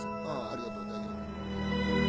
ああありがとう。